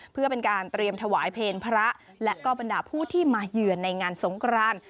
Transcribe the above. เพื่อเป็นการเตรียมถวายเพลงพระและก็บรรดาผู้ที่มาเยือนในงานสงคราน